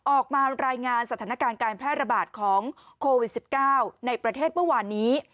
ออกมารายงานสถานการณ์การแพร่ระบาดของโควิด๑๙ในประเทศเมื่อวานนี้